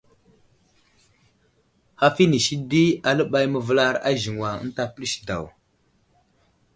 Haf inisi di aləɓay məvəlar a aziŋwa ənta pəlis daw.